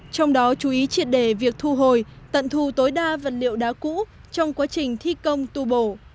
trong đó chú ý triệt đề việc thu hồi tận thu tối đa vật liệu đá cũ trong quá trình thi công tu bổ